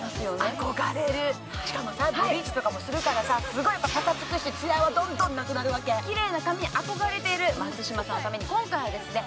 憧れるしかもさブリーチとかもするからさすごいパサつくしツヤはどんどんなくなるわけキレイな髪に憧れている松嶋さんのために今回はですね